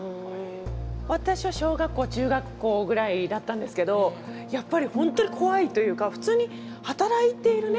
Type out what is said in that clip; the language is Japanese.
私は小学校中学校ぐらいだったんですけどやっぱり本当に怖いというか普通に働いているね